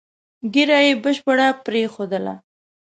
ږیره یې بشپړه پرېښودله.